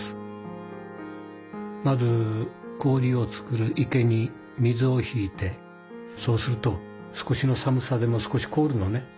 まず氷を作る池に水を引いてそうすると少しの寒さでも少しこおるのね。